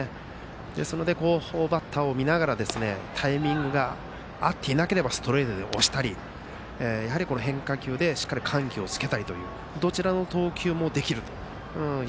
ですので、バッターを見ながらタイミングが合っていなければストレートで押したり変化球でしっかり緩急をつけたりというどちらの投球もできる。